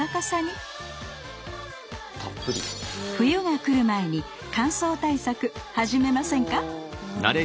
冬が来る前に乾燥対策始めませんか。